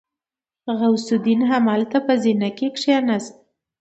غوث الدين همالته په زينه کې کېناست.